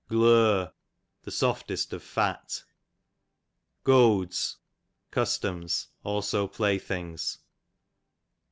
Glur, the softest of fat. Goads, customs; also pilay things.